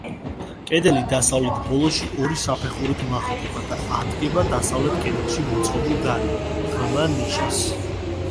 კედელი დასავლეთ ბოლოში ორი საფეხურით მაღლდება და ადგება დასავლეთ კედელში მოწყობილ განიერ, ღრმა ნიშას.